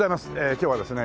今日はですね